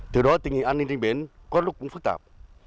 từ đó tình hình an ninh trình biến có lúc cũng phức tạp